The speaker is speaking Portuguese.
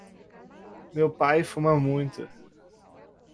Meu pai fuma muito.